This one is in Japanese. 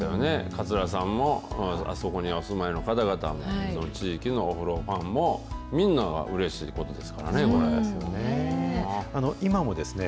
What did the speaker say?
桂さんも、あそこにお住まいの方々も、地域のお風呂ファンも、みんながうれしいことですからね、これ。